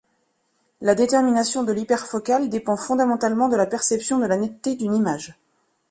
La détermination de l'hyperfocale dépend fondamentalement de la perception de la netteté d'une image.